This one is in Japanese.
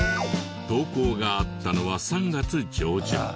投稿があったのは３月上旬。